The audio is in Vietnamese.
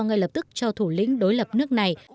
ngay lập tức cho thủ lĩnh đối lập nước này